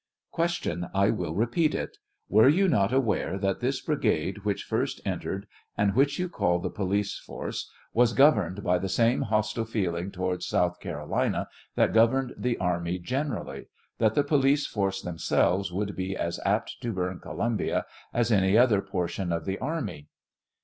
Q. I will repeat it: were you not aware that this brigade which first entered, and which you call the police force, was governed by the same hostile feeling towards South Carolina that governed the army gen erally; that the police force themselves would be as apt to burn Columbia as any other portion of the army?